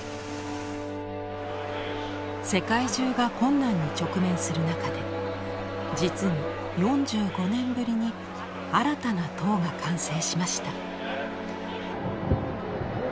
世界中が困難に直面する中で実に４５年ぶりに新たな塔が完成しました。